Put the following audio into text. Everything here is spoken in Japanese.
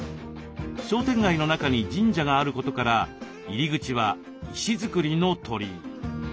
商店街の中に神社があることから入り口は石造りの鳥居。